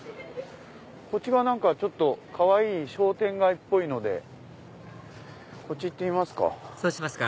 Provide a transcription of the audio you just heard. こっち側何かちょっとかわいい商店街っぽいのでこっち行ってみますか。